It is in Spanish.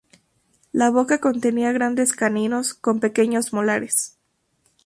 La boca contenía grandes caninos con pequeños molares.